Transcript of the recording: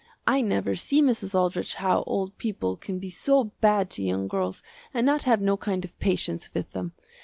I never see Mrs. Aldrich how old people can be so bad to young girls and not have no kind of patience with them.